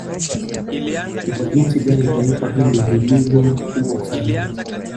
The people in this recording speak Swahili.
Ni kwa jinsi gani Taifa hili lilivyo kubwa sana